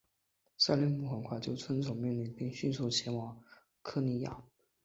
塞利姆很快就遵从命令并迅速前往科尼亚。